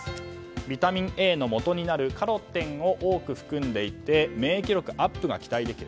ビタミンＡのもとになるカロテンを多く含み免疫力アップが期待できる。